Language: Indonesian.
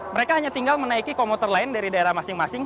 mereka hanya tinggal menaiki komuter lain dari daerah masing masing